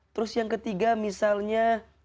terus yang ketiga misalnya